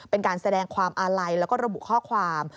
เป็นการแสดงความอาลัยแล้วก็ระบุข้อความ